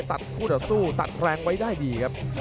ตัดคู่ต่อสู้ตัดแรงไว้ได้ดีครับ